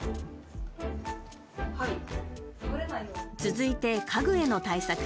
続いて、家具への対策。